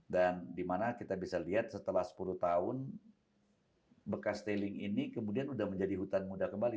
dan dimana kita bisa lihat setelah sepuluh tahun bekas tailing ini kemudian sudah menjadi hutan muda kembali